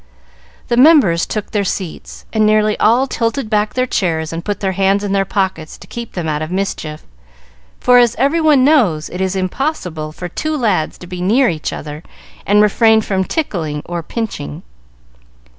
The members took their seats, and nearly all tilted back their chairs and put their hands in their pockets, to keep them out of mischief; for, as every one knows, it is impossible for two lads to be near each other and refrain from tickling or pinching.